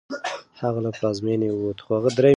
هغه له پلازمېنې ووت.